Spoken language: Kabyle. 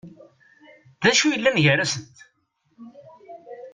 D acu yellan gar-asent?